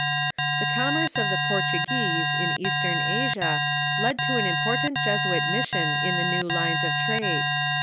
The commerce of the Portuguese in Eastern Asia led to an important Jesuit mission on the new lines of trade.